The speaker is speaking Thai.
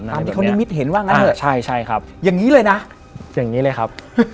ตามที่เขานิมิตเห็นว่างั้นเหรออย่างนี้เลยนะใช่ครับ